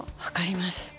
分かります。